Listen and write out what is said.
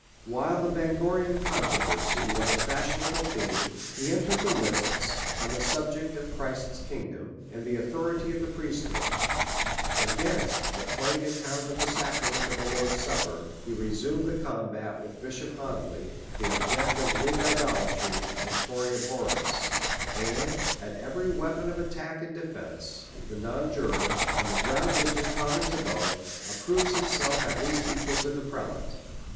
While the Bangorian controversy was a fashionable theme, he entered the lists on the subject of Christ's kingdom, and the authority of the priest hood Against the Plain Account of the Sacrament of the Lord's Supper, he resumed the combat with Bishop Hoadley, the object of Whig idolatry, and Tory abhorrence ; and, at every weapon of attack and defence, the noii juror, on the ground which is com mon to both, approves himself at least equal to the prelate.